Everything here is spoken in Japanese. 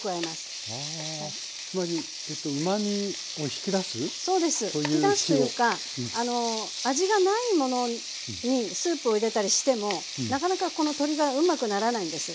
引き出すというか味がないものにスープを入れたりしてもなかなかこの鶏がうまくならないんです。